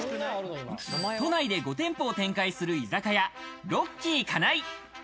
都内で５店舗を展開する居酒屋、ロッキーカナイ。